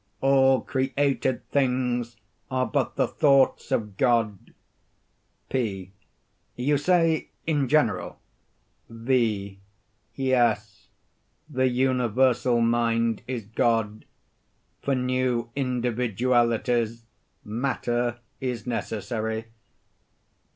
All created things are but the thoughts of God. P. You say, "in general." V. Yes. The universal mind is God. For new individualities, matter is necessary.